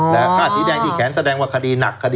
แต่ข้าดสีแดงที่แขนแสดงว่าคดีหนัก